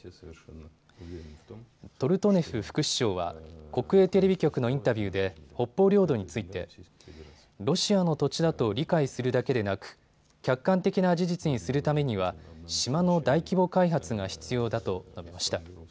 トルトネフ副首相は国営テレビ局のインタビューで北方領土についてロシアの土地だと理解するだけでなく客観的な事実にするためには島の大規模開発が必要だと述べました。